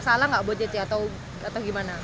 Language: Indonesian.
masalah gak buatnya atau gimana